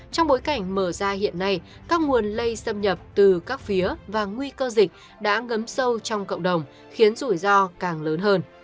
trong bối cảnh mở ra hiện nay các nguồn lây xâm nhập từ các phía và nguy cơ dịch đã ngấm sâu trong cộng đồng khiến rủi ro càng lớn hơn